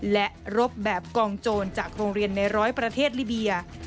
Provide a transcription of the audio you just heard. และรบแบบกองโจรจากโรงเรียนในร้อยประเทศลิเบีย